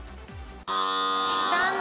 残念。